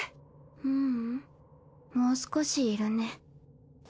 ううんもう少しいるね。